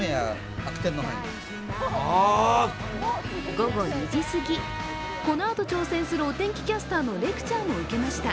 午後２時すぎ、このあと挑戦するお天気キャスターのレクチャーも受けました。